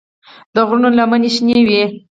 د غرونو لمنې شنه وې.